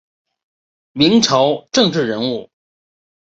明朝政治人物。